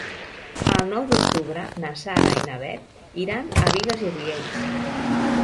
El nou d'octubre na Sara i na Bet iran a Bigues i Riells.